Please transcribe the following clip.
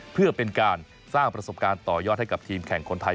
เพื่อเป็นการสร้างประสบการณ์ต่อยอดให้กับทีมแข่งคนไทย